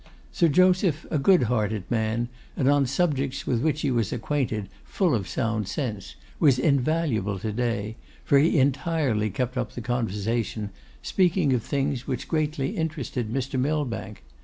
Sir Joseph, a good hearted man, and on subjects with which he was acquainted full of sound sense, was invaluable to day, for he entirely kept up the conversation, speaking of things which greatly interested Mr. Millbank.